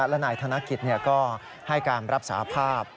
และนายธนกิจก็ให้การรับสาภาพ